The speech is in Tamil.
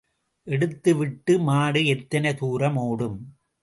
எடுத்து விட்ட மாடு எத்தனை தூரம் ஓடும்?